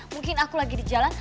mungkin aku lagi di jalan